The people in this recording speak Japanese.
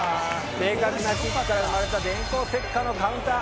正確なキックから生まれた電光石火のカウンター。